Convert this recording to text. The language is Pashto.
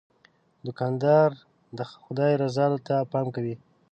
دوکاندار د خدای رضا ته پام کوي.